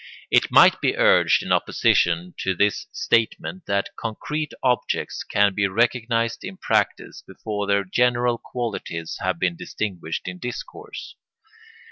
It might be urged in opposition to this statement that concrete objects can be recognised in practice before their general qualities have been distinguished in discourse.